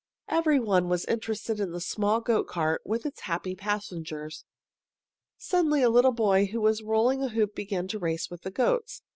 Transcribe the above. Everyone was interested in the small goat cart with its happy passengers. Suddenly a little boy who was rolling a hoop began to race with the goats.